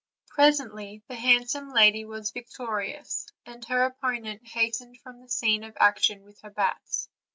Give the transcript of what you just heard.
Presently the handsome lady was victorious; and her opponent hastened from the scene of action with her bats.